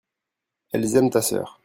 elles aiment ta sœur.